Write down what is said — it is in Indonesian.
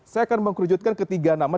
saya akan mengkerujutkan ketiga nama